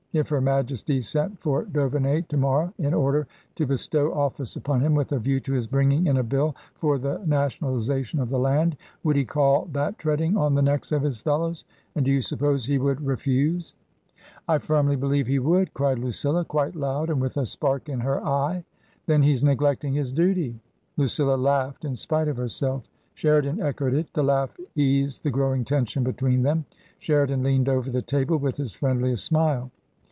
If her Majesty sent for d'Auvemey to morrow in order to bestow office upon him with a view to his bringing in a bill for the Nation alization of the Land, would he call that treading on the necks of his fellows ? and do you suppose he would re fuse ?"" I firmly believe he would !" cried Lucilla, quite loud and with a spark in her eye. " T/ten he's neglecting his duty !'* Lucilla laughed in spite of herself Sheridan echoed it. The laugh eased the growing tension between them. Sheridan leaned over the table with his friendliest smile.